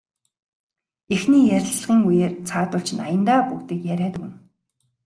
Эхний ярилцлагын үеэр цаадуул чинь аяндаа бүгдийг яриад өгнө.